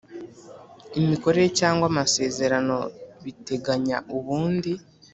Imikorere cyangwa amasezerano biteganya ubundi